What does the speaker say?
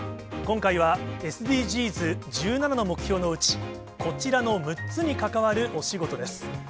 今回はＳＤＧｓ１７の目標のうち、こちらの６つに関わるお仕事です。